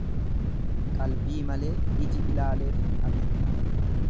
Qalbii malee iji ilaaleef hin argu.